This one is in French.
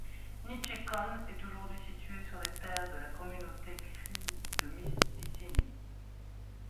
Nitchequon est aujourd'hui située sur les terres de la communauté crie de Mistissini.